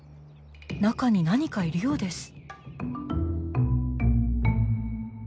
中に何かいるようです。